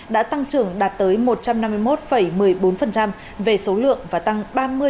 đã tăng trưởng đạt tới một trăm năm mươi một một mươi bốn về số lượng và tăng ba mươi bốn mươi một